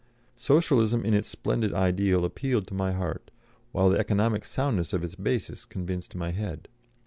"Socialism in its splendid ideal appealed to my heart, while the economic soundness of its basis convinced my head.